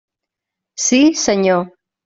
Sí, senyor.